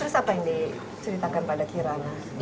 terus apa yang diceritakan pada kirana